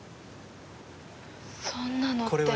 そんなのって。